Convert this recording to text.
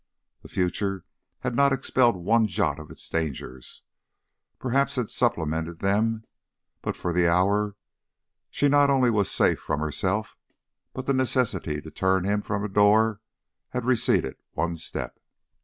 The future had not expelled one jot of its dangers, perhaps had supplemented them, but for the hour she not only was safe from herself, but the necessity to turn him from her door had receded one step.